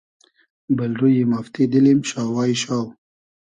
بئل رویی مافتی دیلیم شاوای شاو